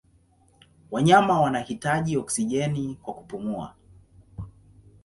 Wanyama wanahitaji oksijeni kwa kupumua.